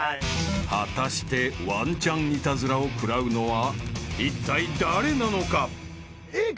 ［果たしてワンちゃんイタズラを食らうのはいったい誰なのか？］